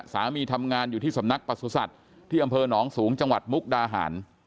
สามีทำงานอยู่ที่สำนักประสุทธิ์ที่อำเภอหนองสูงจังหวัดมุกดาหาร